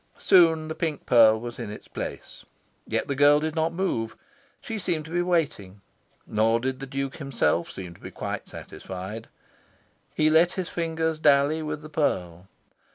Soon the pink pearl was in its place. Yet the girl did not move. She seemed to be waiting. Nor did the Duke himself seem to be quite satisfied. He let his fingers dally with the pearl.